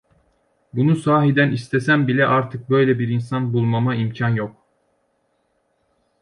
Bunu sahiden istesem bile artık böyle bir insan bulmama imkân yok.